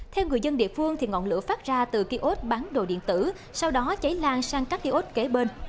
theo người dân địa phương ngọn lửa phát ra từ kiosk bán đồ điện tử sau đó cháy lan sang các kiosk kế bên